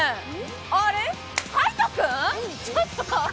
あれっ、海音君？